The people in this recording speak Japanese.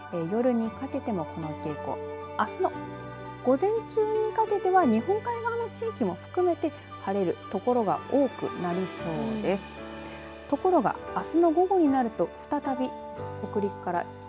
夜にかけてもあすの午前中にかけては日本海側の地域も含めて晴れる所が多くなりそうです。